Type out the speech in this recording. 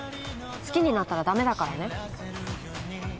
好きになったら駄目だからね。